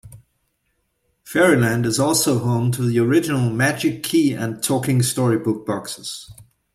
Fairyland is also home to the original "Magic Key" and Talking Storybook Boxes.